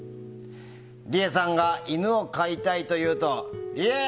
リエさんが犬を飼いたいと言うとリエ！